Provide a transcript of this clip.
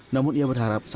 namun ia berharap